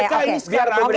biar publik yang menilai